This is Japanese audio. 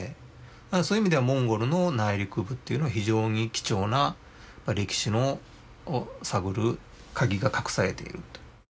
そういう意味ではモンゴルの内陸部っていうのは非常に貴重な歴史を探る鍵が隠されていると。